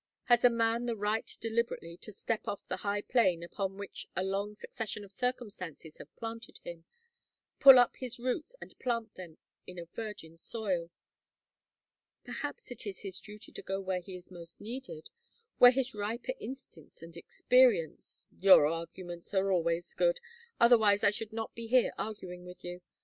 Has a man the right deliberately to step off the high plane upon which a long succession of circumstances have planted him pull up his roots and plant them in a virgin soil?" "Perhaps it is his duty to go where he is most needed where his riper instincts and experience " "Your arguments are always good, otherwise I should not be here arguing with you.